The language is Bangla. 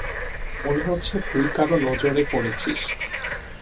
মনে হচ্ছে তুই কারো নজরে পড়েছিস।